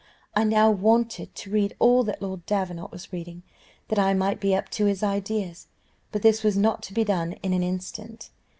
I now wanted to read all that Lord Davenant was reading, that I might be up to his ideas, but this was not to be done in an instant.